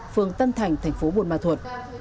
phương tân thành thành phố bùi ma thuật